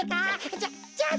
じゃじゃあな。